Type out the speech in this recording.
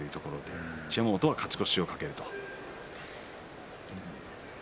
一山本は勝ち越しを懸けます。